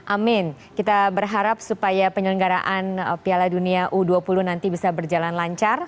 amin kita berharap supaya penyelenggaraan piala dunia u dua puluh nanti bisa berjalan lancar